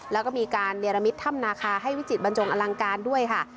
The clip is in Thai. แล้วก็มีการเนรมิตถ้ำนาคาให้วิจิตบรรจงอลังการด้วยค่ะ